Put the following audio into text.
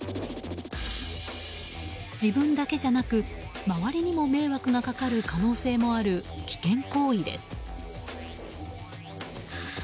自分だけじゃなく周りにも迷惑がかかる可能性もある危険行為です。